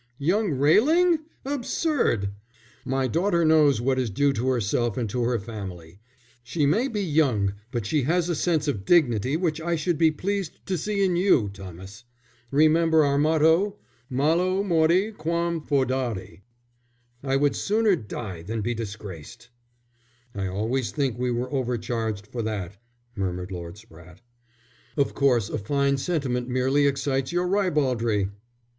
"Young Railing? Absurd! My daughter knows what is due to herself and to her family. She may be young, but she has a sense of dignity which I should be pleased to see in you, Thomas. Remember our motto: Malo mori quam fœdari, I would sooner die than be disgraced." "I always think we were overcharged for that," murmured Lord Spratte. "Of course a fine sentiment merely excites your ribaldry!"